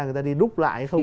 người ta đi đúc lại hay không